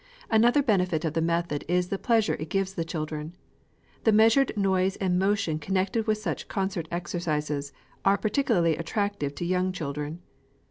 Another benefit of the method is the pleasure it gives the children. The measured noise and motion connected with such concert exercises, are particularly attractive to young children.